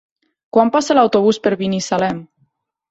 Quan passa l'autobús per Binissalem?